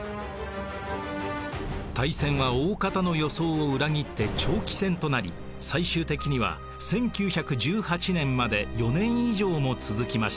大戦は大方の予想を裏切って長期戦となり最終的には１９１８年まで４年以上も続きました。